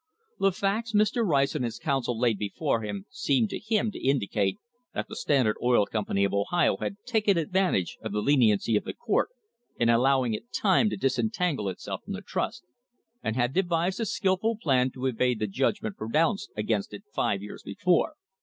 The facts Mr. Rice and his counsel laid before him seemed to him to indicate that the Standard Oil Company of Ohio had taken advantage of the leniency of the court in allowing it time to disentangle itself from the trust, and had devised a skilful plan to evade the judgment pronounced against it five years before.